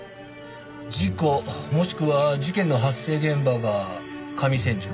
事故もしくは事件の発生現場が上千住？